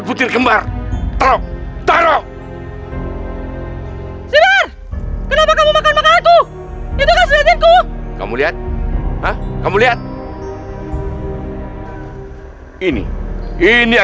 putri teman maafkan